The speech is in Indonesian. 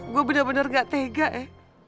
gue bener bener gak tega ya